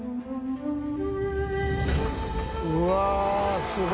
うわすごいね。